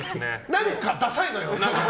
何かダサいのよ。